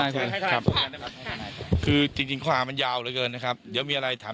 คือจริงข้อหามันยาวเหลือเกินนะครับเดี๋ยวมีอะไรถาม